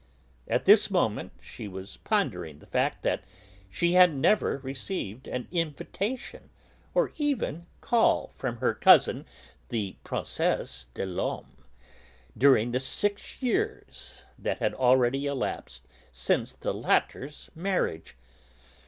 At this moment she was pondering the fact that she had never received an invitation, or even call, from her young cousin the Princesse des Laumes, during the six years that had already elapsed since the latter's marriage.